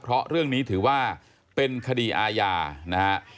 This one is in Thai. เพราะเรื่องนี้ถือว่าเป็นคดีอาญานะฮะ